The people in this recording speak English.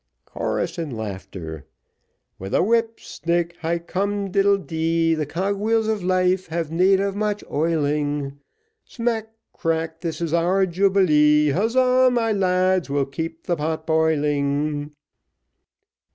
Chorus and laughter With a whip, snip, high cum diddledy, The cog wheels of life have need of much oiling; Smack, crack this is our jubilee; Huzza, my lads, we'll keep the pot boiling.